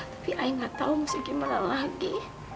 tapi ayah ga tau mesti gimana lagi